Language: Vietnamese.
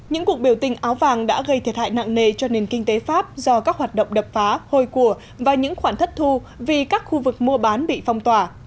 những cuộc biểu tình áo vàng đã gây thiệt hại nặng nề cho nền kinh tế pháp do các hoạt động đập phá hồi của và những khoản thất thu vì các khu vực mua bán bị phong tỏa